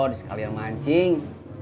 di sekalian mancing